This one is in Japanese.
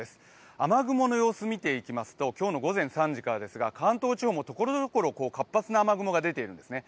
雨雲の様子、見ていきますと今日の午前３時からですが、関東地方もところどころ活発な雨雲が出ているんですね。